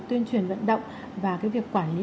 tuyên truyền vận động và việc quản lý